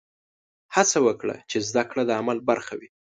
هڅه وکړه چې زده کړه د عمل برخه وي.